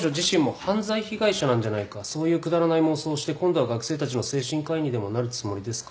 そういうくだらない妄想をして今度は学生たちの精神科医にでもなるつもりですか？